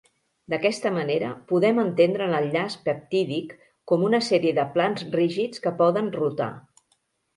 D'aquesta manera, podem entendre l'enllaç peptídic com una sèrie de plans rígids que poden rotar.